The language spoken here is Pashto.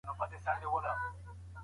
خپل ځان په خپله خوښه جوړ کړئ.